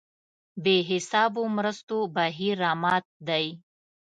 بې حسابو مرستو بهیر رامات دی.